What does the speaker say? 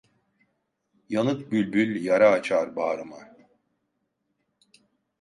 Yanık bülbül yara açar bağrıma.